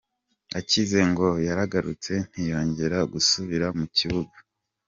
Akize ngo yaragarutse ntiyongera gusubira mu kibuga, nubwo yabaga yakoze neza mu myitozo.